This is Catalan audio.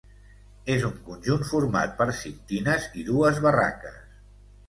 És un conjunt format per cinc tines i dues barraques.